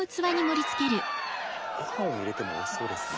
ご飯を入れてもおいしそうですね。